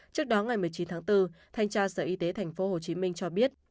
trước đó ngày một mươi chín tháng bốn thanh tra sở y tế tp hcm cho biết